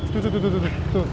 tuh tuh tuh tuh tuh